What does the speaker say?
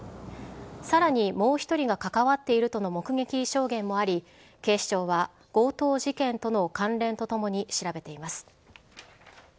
さらにもう１人が関わっているとの目撃証言もあり、警視庁は強盗事件との関連とともに調べています。